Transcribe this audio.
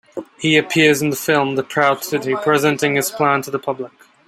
He appears in the film "The Proud City" presenting his plan to the public.